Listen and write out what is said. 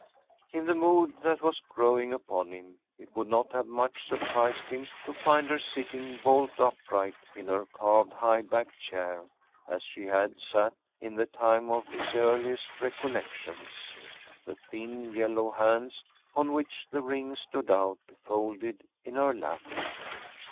In the mood that was growing upon him, it would not have much surprised him to find her sitting bolt upright in her carved high back chair, as she had sat in the time of his earliest recollections, the thin, yellow hands, on which the rings stood out, folded in her lap.